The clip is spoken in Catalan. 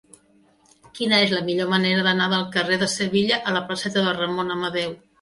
Quina és la millor manera d'anar del carrer de Sevilla a la placeta de Ramon Amadeu?